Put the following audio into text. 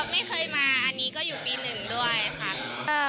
ไม่เคยมาอันนี้ก็อยู่ปี๑ด้วยค่ะ